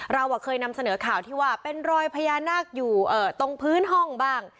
เราเคยนำเสนอข่าวที่ว่าเป็นรอยพญานาคอยู่ตรงพื้นห้องบ้าง